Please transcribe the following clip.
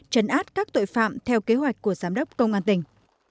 trấn át các tội phạm theo kế hoạch của giám đốc công an tỉnh